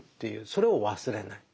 それを忘れない。